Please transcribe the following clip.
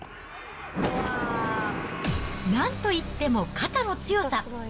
なんといっても肩の強さ。